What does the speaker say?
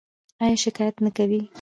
ایا شکایت نه کوئ؟